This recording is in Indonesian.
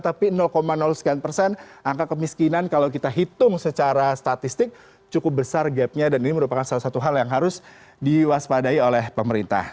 tapi sekian persen angka kemiskinan kalau kita hitung secara statistik cukup besar gapnya dan ini merupakan salah satu hal yang harus diwaspadai oleh pemerintah